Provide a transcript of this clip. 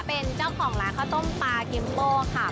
เป็นเจ้าของร้านข้าวต้มปลากิมโป้ค่ะ